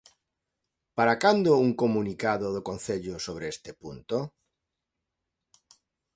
Para cando un comunicado do Concello sobre este punto?